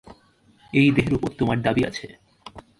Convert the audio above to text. এই দেহের উপর তোমার দাবী আছে।